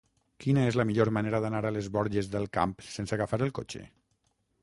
Quina és la millor manera d'anar a les Borges del Camp sense agafar el cotxe?